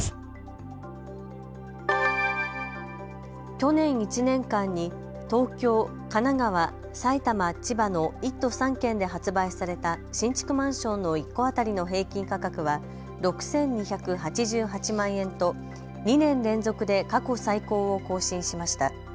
去年１年間に東京、神奈川、埼玉、千葉の１都３県で発売された新築マンションの１戸当たりの平均価格は６２８８万円と２年連続で過去最高を更新しました。